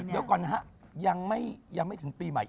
เดี๋ยวก่อนนะฮะยังไม่ถึงปีใหม่